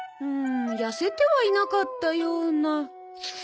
うんやせてはいなかったような。